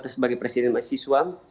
atau sebagai presiden masih suwan